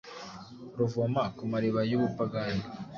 Ruvoma ku mariba y’ubupagani;